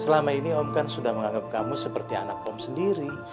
selama ini om kan sudah menganggap kamu seperti anak om sendiri